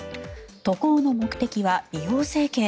渡航の目的は美容整形。